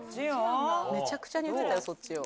・めちゃくちゃに言ってたよ